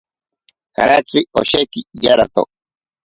Jaratsi osheki yarato.